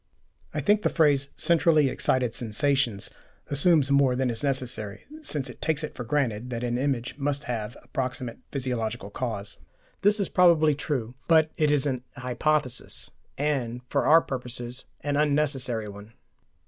I think the phrase "centrally excited sensations" assumes more than is necessary, since it takes it for granted that an image must have a proximate physiological cause. This is probably true, but it is an hypothesis, and for our purposes an unnecessary one.